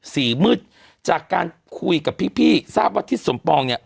สีมืดจากการคุยกับพี่ทราบว่าทิศสมปองเนี่ย